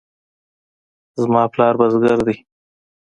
زما پلار بزګر دی